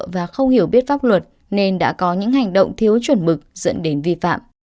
và không hiểu biết pháp luật nên đã có những hành động thiếu chuẩn mực dẫn đến vi phạm